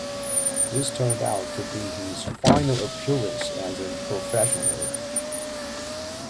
This turned out to be his final appearance as a professional.